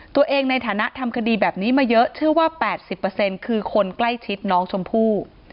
ในฐานะทำคดีแบบนี้มาเยอะเชื่อว่า๘๐คือคนใกล้ชิดน้องชมพู่